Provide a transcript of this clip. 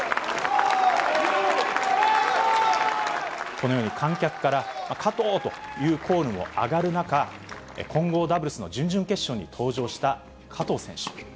このように、観客から加藤というコールも上がる中、混合ダブルスの準々決勝に登場した加藤選手。